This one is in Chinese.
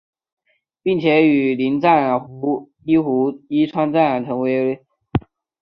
并且与邻站壶川站成为连续两个采用侧式月台上落的车站。